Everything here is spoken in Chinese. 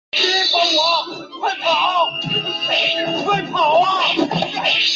以下的列表列出越南历史上所有被追尊君主。